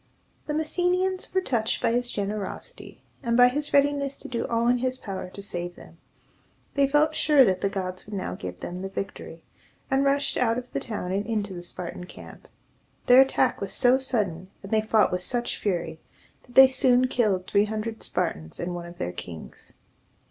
The Messenians were touched by his generosity, and by his readiness to do all in his power to save them. They felt sure that the gods would now give them the victory, and rushed out of the town and into the Spartan camp. Their attack was so sudden, and they fought with such fury, that they soon killed three hundred Spartans and one of their kings.